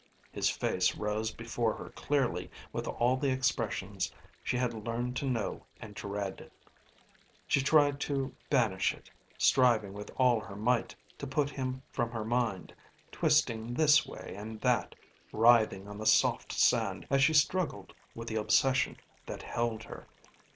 His face rose before her clearly with all the expressions she had learned to know and dread. She tried to banish it, striving with all her might to put him from her mind, twisting this way and that, writhing on the soft sand as she struggled with the obsession that held her.